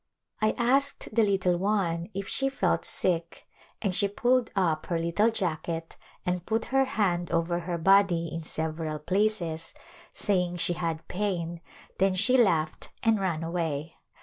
I asked the little one if she felt sick and she pulled up her little jacket and put her hand over her body in several places, saying she had pain, then she laughed and ran away.